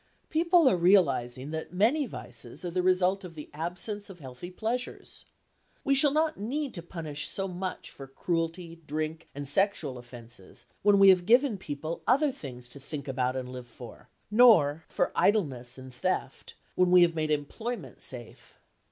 People are realising that many vices are the result of the absence of healthy pleasures. We shall not need to punish so much for cruelty, drink, and sexual offences, when we have given people other things to think about and live for; nor for idleness and theft, when we have made employment safe.